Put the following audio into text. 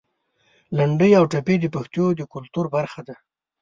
لنډۍ او ټپې د پښتنو د کلتور برخه ده.